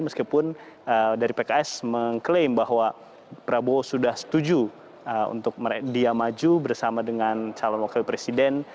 meskipun dari pks mengklaim bahwa prabowo sudah setuju untuk dia maju bersama dengan calon wakil presiden